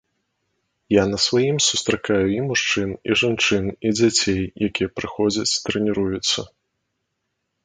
Я на сваім сустракаю і мужчын, і жанчын, і дзяцей, якія прыходзяць, трэніруюцца.